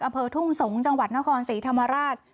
อำเภอทุ่งสงศ์จังหวัดนครศรีธรรมราช